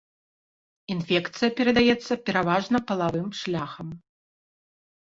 Інфекцыя перадаецца пераважна палавым шляхам.